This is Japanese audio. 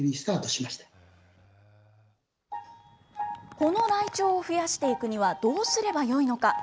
このライチョウを増やしていくにはどうすればよいのか。